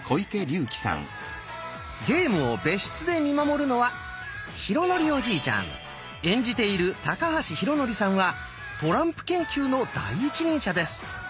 ゲームを別室で見守るのは演じている高橋浩徳さんはトランプ研究の第一人者です。